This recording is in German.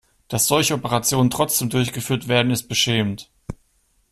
Dass solche Operationen trotzdem durchgeführt werden, ist beschämend.